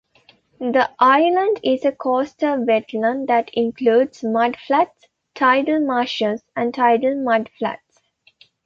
The island is a coastal wetland that includes mudflats, tidal marshes, and tidal mudflats.